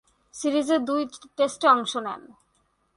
সিরিজের দুই টেস্টে অংশ নেন।